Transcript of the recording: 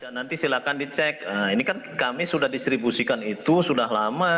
nanti silahkan dicek ini kan kami sudah distribusikan itu sudah lama